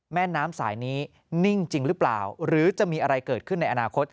แม่น้ำสายนี้นิ่งจริงหรือเปล่าหรือจะมีอะไรเกิดขึ้นในอนาคต